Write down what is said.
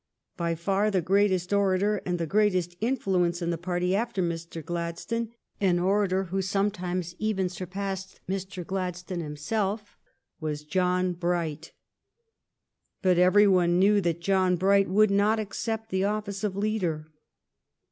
By far the greatest orator and the great est influence in the party after Mr. Gladstone, an orator who sometimes even surpassed Mr. Glad stone himself, was John Bright. But every one knew that John Bright would not accept the of fice of leader.